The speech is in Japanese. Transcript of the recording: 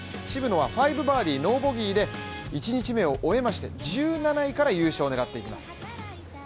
渋野は５バーディー、ノーボギーで１日目を終えまして、１７位から優勝を狙っています。